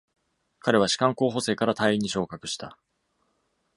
彼は士官候補生から大尉に昇格した。